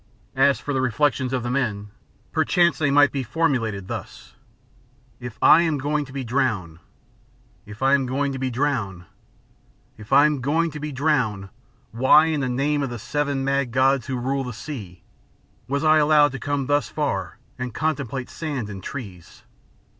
As for the reflections of the men, there was a great deal of rage in them. Perchance they might be formulated thus: "If I am going to be drowned if I am going to be drowned if I am going to be drowned, why, in the name of the seven mad gods who rule the sea, was I allowed to come thus far and contemplate sand and trees?